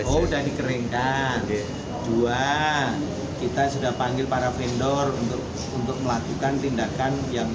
oh udah dikeringkan dua kita sudah panggil para vendor untuk untuk melakukan tindakan yang